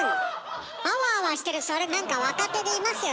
あわあわしてるそれなんか若手でいますよ